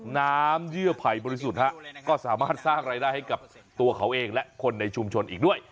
เยื่อไผ่บริสุทธิ์ฮะก็สามารถสร้างรายได้ให้กับตัวเขาเองและคนในชุมชนอีกด้วย